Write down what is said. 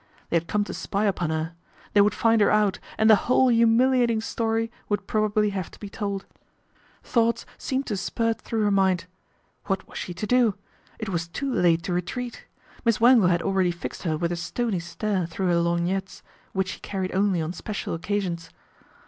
They had come to spy upon her. They would find her out, and the whole humiliating story would probably have to be told. 32 PATRICIA BRENT, SPINSTER Thoughts seemed to spurt through her mind. What was she to do ? It was too late to retreat. Miss Wangle had already fixed her with a stony stare through her lorgnettes, which she carried only on special occasions.